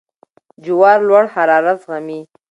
جوار لوړ حرارت زغمي.